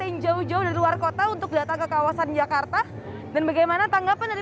yang jauh jauh dari luar kota untuk datang ke kawasan jakarta dan bagaimana tanggapan dari